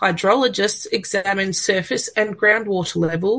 hidrologi melihat tingkatan permukaan dan air di luar